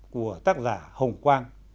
của tác giả hồng quang